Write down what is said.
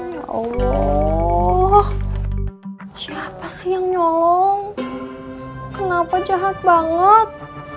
ya allah siapa sih yang nyolong kenapa jahat banget